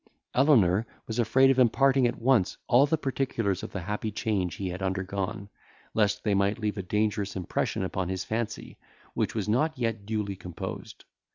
Elenor was afraid of imparting at once all the particulars of the happy change he had undergone, lest they might leave a dangerous impression upon his fancy, which was not yet duly composed.